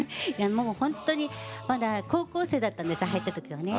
もう本当にまだ高校生だったんです入った時はね。